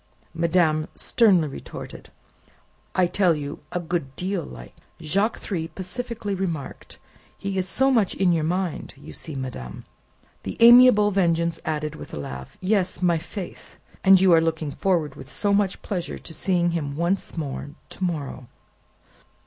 Madame sternly retorted, "I tell you a good deal like." Jacques Three pacifically remarked, "He is so much in your mind, see you, madame." The amiable Vengeance added, with a laugh, "Yes, my faith! And you are looking forward with so much pleasure to seeing him once more to morrow!"